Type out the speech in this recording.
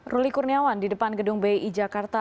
ruli kurniawan di depan gedung bi jakarta